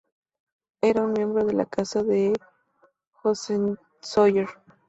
Era un miembro de la Casa de Hohenzollern.